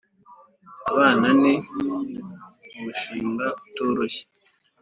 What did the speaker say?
Abana ni umushinga utoroshye